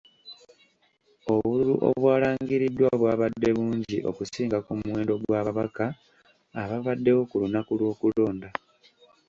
Obululu obwalangiriddwa bwabadde bungi okusinga ku muwendo gw’ababaka ababaddewo ku lunaku lw’okulonda .